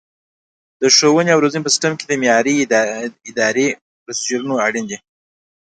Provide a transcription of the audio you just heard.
د ښوونې او روزنې په سیستم کې د معیاري ادرایې پروسیجرونه اړین دي.